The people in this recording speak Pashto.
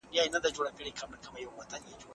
زه او ټوله نړۍ پوهېږي!!